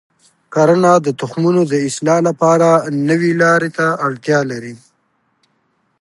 کرنه د تخمونو د اصلاح لپاره نوي لارې ته اړتیا لري.